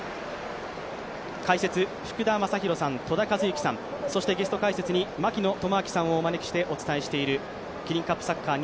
解説、福田正博さん、戸田和幸さん、そして、ゲスト解説に槙野智章さんをお招きしてお伝えしているキリンカップサッカー２０２２